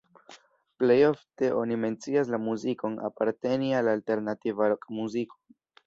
Plej ofte oni mencias la muzikon aparteni al alternativa rokmuziko.